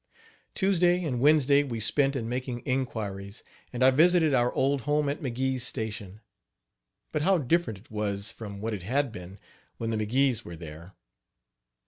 Tuesday and Wednesday we spent in making inquiries; and I visited our old home at McGee's station. But how different it was from what it had been when the McGees were there.